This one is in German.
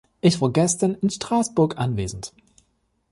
Ich war gestern in Straßburg anwesend.